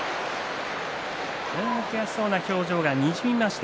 悔しそうな表情がにじみました